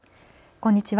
こんにちは。